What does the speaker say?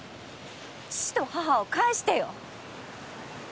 父と母を返してよ！